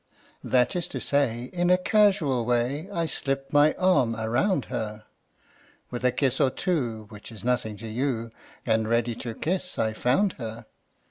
That is to say, in a casual way, I slipped my arm around her; With a kiss or two (which is nothing to you), And ready to kiss I found her.